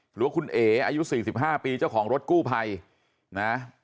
หรือว่าคุณเอ๋อายุ๔๕ปีเจ้าของรถกู้ภัยนะ